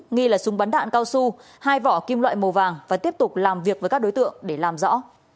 nghi là súng bắn đạn cao su hai vỏ kim loại màu vàng và tiếp tục làm việc với các đối tượng để làm rõ